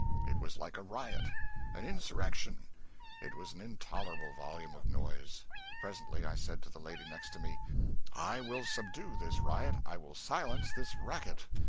It was like a riot, an insurrection; it was an intolerable volume of noise. Presently I said to the lady next me "I will subdue this riot, I will silence this racket.